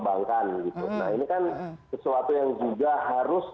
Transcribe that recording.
bagaimanapun yang sudah marah